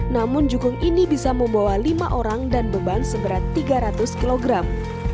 namun jukung ini bisa membawa lima orang dan beban seberat tiga ratus kilogram